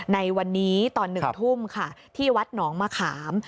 ในวันนี้ตอน๑ทุ่มค่ะที่วัดหนองมะขาม